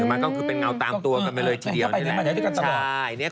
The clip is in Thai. มันก็คือเป็นเงาตามตัวกันไปเลยทีเดียว